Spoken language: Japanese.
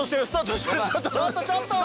ちょっとちょっと！